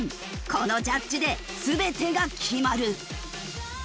このジャッジで全てが決まる。